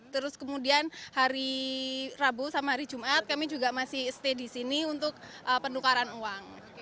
terus kemudian hari rabu sama hari jumat kami juga masih stay di sini untuk penukaran uang